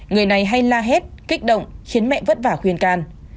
người này hay la hét kích động khiến mẹ vất vả khuyên can